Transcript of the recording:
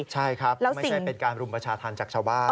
ในการรุมประชาธรรมจากชาวบ้าน